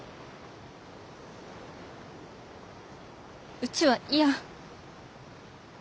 うちは嫌。